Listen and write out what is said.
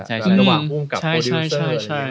กับผู้กลัวกับโปรดิวเซอร์